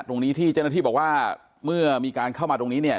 ตรงนี้ที่เจ้าหน้าที่บอกว่าเมื่อมีการเข้ามาตรงนี้เนี่ย